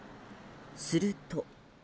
すると。